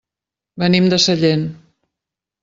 Venim de Sallent.